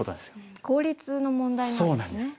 効率の問題なんですね。